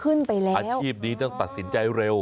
ขึ้นไปแล้วอาชีพดีต้องตัดสินใจเร็ว